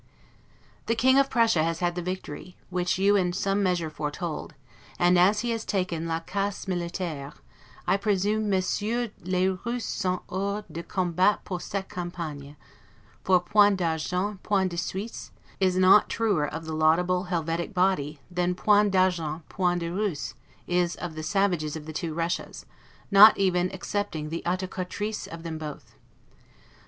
The King of Prussia has had the victory, which you in some measure foretold; and as he has taken 'la caisse militaire', I presume 'Messieurs les Russes sont hors de combat pour cette campagne'; for 'point d'argent, point de Suisse', is not truer of the laudable Helvetic body, than 'point d'argent, point de Russe', is of the savages of the Two Russias, not even excepting the Autocratrice of them both.